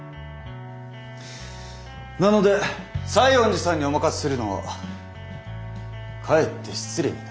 なので西園寺さんにお任せするのはかえって失礼になる。